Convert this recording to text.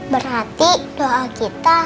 berarti doa kita